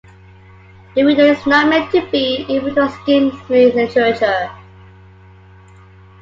The reader is not meant to be able to skim through literature.